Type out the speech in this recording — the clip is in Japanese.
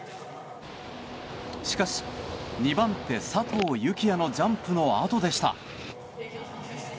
しかし２番手、佐藤幸椰のジャンプのあとでした。